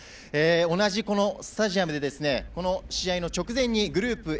同じスタジアムでこの試合の直前にグループＡ